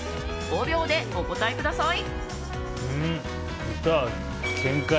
５秒でお答えください。